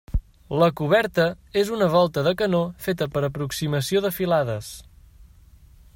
La coberta és una volta de canó feta per aproximació de filades.